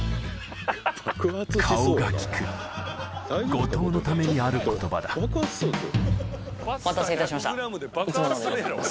後藤のためにある言葉だお待たせいたしましたいつものでございます。